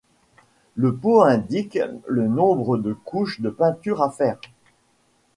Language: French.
le pot indique le nombre de couche de peinture à faire